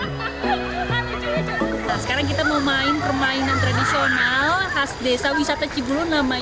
sekarang kita mau main permainan tradisional khas desa wisata cibulu namanya gebuk bantal